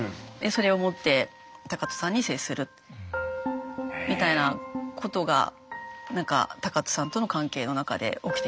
それをもって学仁さんに接するみたいなことがなんか学仁さんとの関係の中で起きてきたのかな。